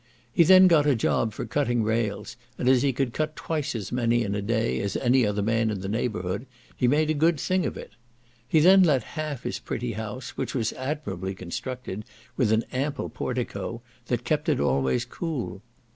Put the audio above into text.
He then got a job for cutting rails, and, as he could cut twice as many in a day as any other man in the neighbourhood, he made a good thing of it. He then let half his pretty house, which was admirably constructed, with an ample portico, that kept it always cool.